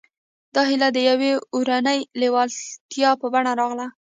دا هيله د يوې اورنۍ لېوالتيا په بڼه راغله.